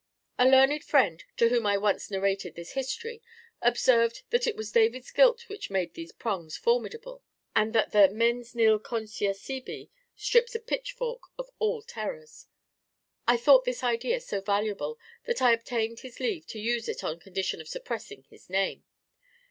(A learned friend, to whom I once narrated this history, observed that it was David's guilt which made these prongs formidable, and that the "mens nil conscia sibi" strips a pitchfork of all terrors. I thought this idea so valuable, that I obtained his leave to use it on condition of suppressing his name.)